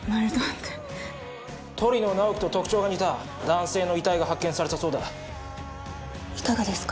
鳥野直木と特徴が似た男性の遺体が発見されたそうだ・いかがですか？